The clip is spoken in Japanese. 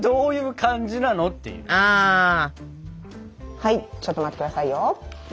はいちょっと待ってくださいよ。